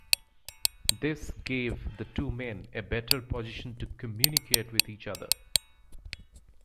This gave the two men a better position to communicate with each other.